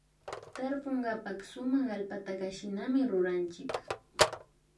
Tarpunkapak sumak allpataka shinami ruranchik